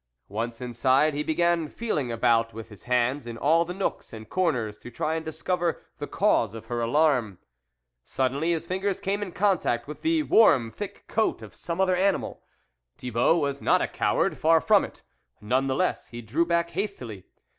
Once inside he began feeling about with his hands in all the nooks and corners to try and discover the cause of her alarm. Suddenly his fingers came in contact with the warm, thick coat of some other animal. Thibault was not a coward, far from it, none the less, he drew back hastily.